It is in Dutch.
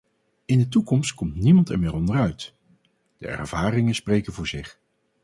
In de toekomst komt niemand er meer onderuit, de ervaringen spreken voor zich.